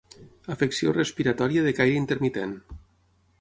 Afecció respiratòria de caire intermitent.